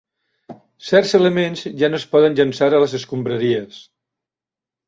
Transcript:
Certs elements ja no es poden llençar a les escombraries.